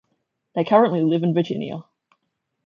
They currently live in Virginia.